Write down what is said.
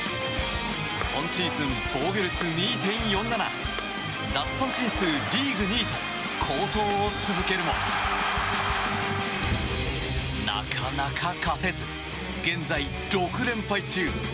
今シーズン防御率２．４７奪三振数リーグ２位と好投を続けるもなかなか勝てず、現在６連敗中。